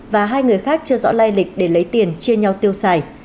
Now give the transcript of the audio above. và hai người khác chưa rõ lai lịch để lấy tiền chia nhau tiêu xài